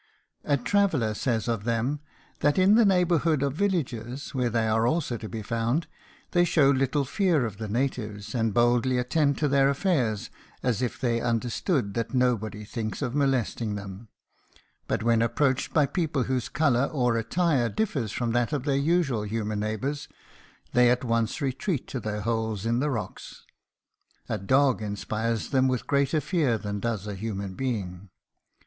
A traveler says of them, that in the neighborhood of villages, where they are also to be found, they show little fear of the natives, and boldly attend to their affairs as if they understood that nobody thinks of molesting them; but when approached by people whose color or attire differs from that of their usual human neighbors, they at once retreat to their holes in the rocks. A dog inspires them with greater fear than does a human being.